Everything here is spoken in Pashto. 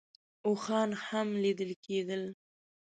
اوښان هم لیدل کېدل.